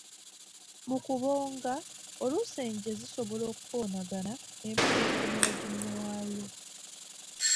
Mu kubonga, oluusi enje zisobola okukoonagana, emu n'etomera ginne waayo n'egwa.